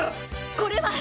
これは！